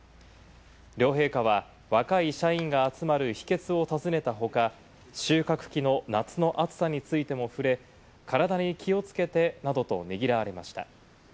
両陛下は若い社員が集まる秘訣を尋ねた他、収穫期の夏の暑さについても触れ、体に気をつけてなどと、ねぎらわれました。